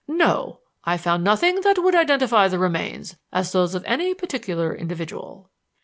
"No. I found nothing that would identify the remains as those of any particular individual."